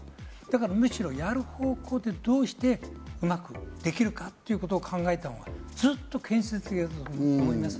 むしろやる方向でどうやってうまくできるかということを考えたほうが、ずっと建設的だと思います。